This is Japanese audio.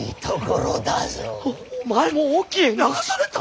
お前も隠岐へ流された！